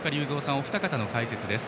お二方の解説です。